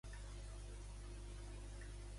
S'ha enfadat amb ell el pobre?